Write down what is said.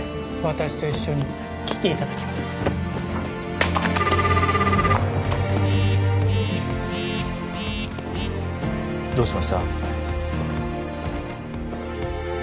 私と一緒に来ていただきますどうしました？